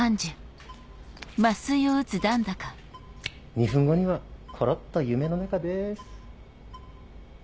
２分後にはコロっと夢の中です。